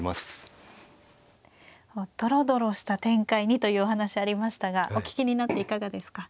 ドロドロした展開にというお話ありましたがお聞きになっていかがですか。